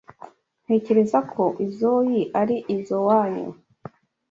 Ntekereza ko izoi ari izoanyu.